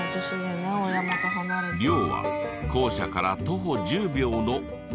寮は校舎から徒歩１０秒の２階建て。